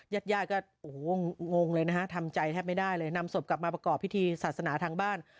ญาติญาติก็โอ้โหงงเลยนะฮะทำใจแทบไม่ได้เลยนำศพกลับมาประกอบพิธีศาสนาทางบ้าน